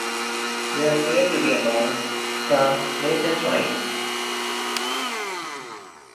They are said to be among France's greatest whites.